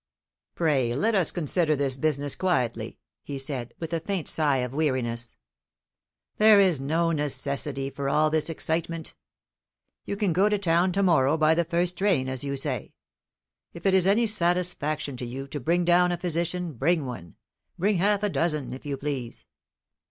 "Pray let us consider this business quietly," he said, with a faint sigh of weariness. "There is no necessity for all this excitement. You can go to town to morrow, by the first train, as you say. If it is any satisfaction to you to bring down a physician, bring one; bring half a dozen, if you please.